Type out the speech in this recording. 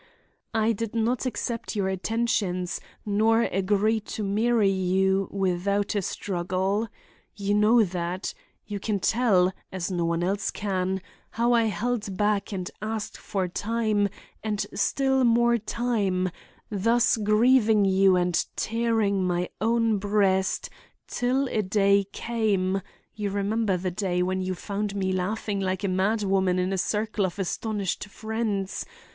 "I did not accept your attentions nor agree to marry you, without a struggle. You know that. You can tell, as no one else can, how I held back and asked for time and still for time, thus grieving you and tearing my own breast till a day came—you remember the day when you found me laughing like a mad woman in a circle of astonished friends?